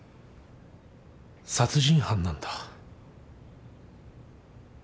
殺人犯なんだ。